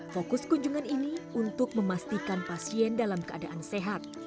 fokus kunjungan ini untuk memastikan pasien dalam keadaan sehat